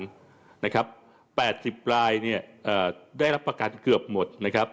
๘๐รายได้รับประกันเกือบหมดนะครับ